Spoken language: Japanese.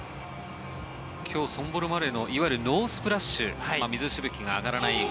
今日ソンボル・マレーのいわゆるノースプラッシュ水しぶきが上がらない演技